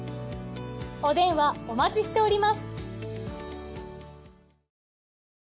お電話お待ちしております。